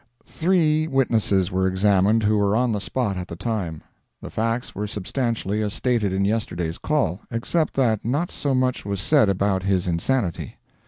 Three witnesses were examined who were on the spot at the time. The facts were substantially as stated in yesterday's Call, except that not so much was said about his insanity.